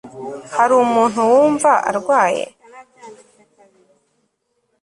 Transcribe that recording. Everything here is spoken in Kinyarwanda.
hari umuntu wumva arwaye